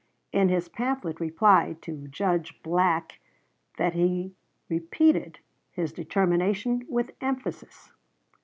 In his pamphlet reply to Judge Black he repeated his determination with emphasis.